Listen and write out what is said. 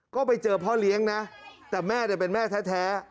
ก็ไปเจอพ่อเลี้ยงนะแต่แม่เป็นแม่แท้